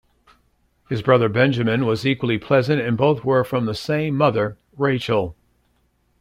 His brother Benjamin was equally pleasant and both were from the same mother, Rachel.